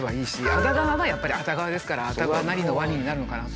熱川はやっぱり熱川ですから熱川なりのワニになるのかなって。